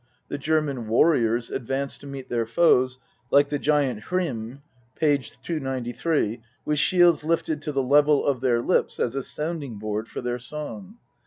The German warriors advanced to meet their foes, like the giant Hrym (p. 293), with shields lifted to the level of their lips as a sounding board for their song.